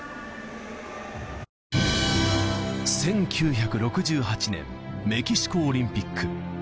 １９６８年、メキシコオリンピック。